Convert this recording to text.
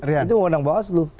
itu mengundang bawaslu